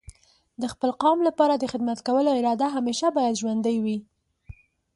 د خپل قوم لپاره د خدمت کولو اراده همیشه باید ژوندۍ وي.